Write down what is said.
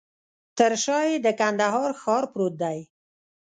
تر شاه یې د کندهار ښار پروت دی.